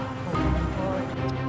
kayaknya sih gak salah lagi nih woy